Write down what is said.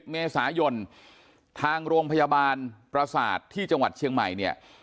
เมษายนทางโรงพยาบาลประสาทที่จังหวัดเชียงใหม่เนี่ย